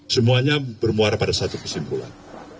semuanya bermuara pada satu kesimpulan